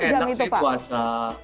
tapi di sini enak sih puasa